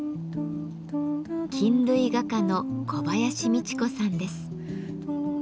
菌類画家の小林路子さんです。